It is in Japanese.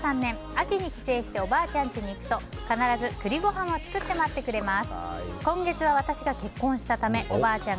秋に帰省しておばあちゃんちに行くと必ず栗ご飯を作って待ってくれます。